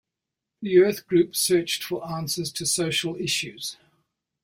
The Earth group searched for answers to social issues.